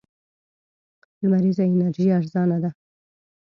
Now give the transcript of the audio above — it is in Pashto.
لمريزه انرژي ارزانه ده.